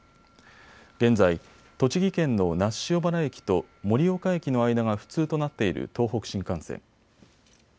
現在、栃木県の那須塩原駅と盛岡駅の間が不通となっている東北新幹線。